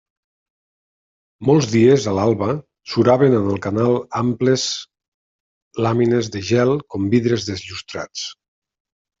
Molts dies, a l'alba, suraven en el canal amples làmines de gel, com vidres desllustrats.